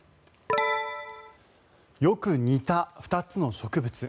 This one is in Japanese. よく似た２つの植物。